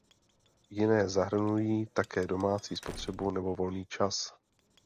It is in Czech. Jiné zahrnují také domácí spotřebu nebo volný čas.